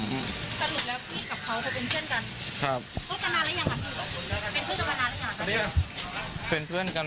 สรุปแล้วคุณกับเขาก็เป็นเพื่อนกัน